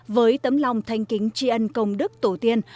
với tấm lòng thanh kính tri ân công đức tổ tiên